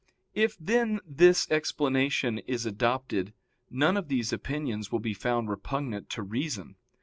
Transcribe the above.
If, then, this explanation is adopted none of these opinions will be found repugnant to reason.